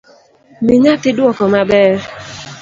Mi nyathi duoko maber